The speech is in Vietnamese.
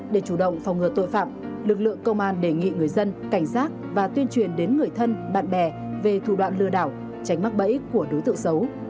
để chủ động phòng ngừa tội phạm lực lượng công an đề nghị người dân cảnh giác và tuyên truyền đến người thân bạn bè về thủ đoạn lừa đảo tránh mắc bẫy của đối tượng xấu